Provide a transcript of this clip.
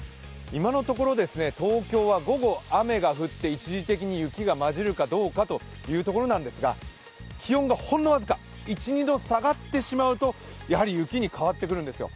今のところ、東京は午後雨が降って一時的に雪が交じるかどうかというところなんですが、気温がほんの僅か、１２度下がってしまうと、やはり雪に変わってくるんですよ。